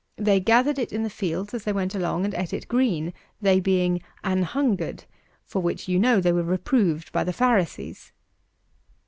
They gathered it in the fields as they went along and ate it green, they being "an hungered," for which you know they were reproved by the pharisees.